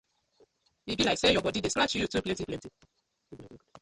E bi layk say yur bodi dey scratch yu too plenty plenty.